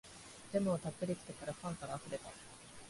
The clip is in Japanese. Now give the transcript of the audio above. ジャムをたっぷりつけたらパンからあふれた